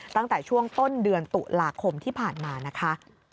ตั้งแต่ช่วงต้นเดือนตุลาคมที่ผ่านมานะคะ